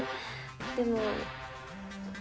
でも。